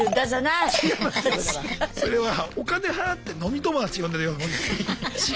それはお金払って飲み友達呼んでるようなもんです。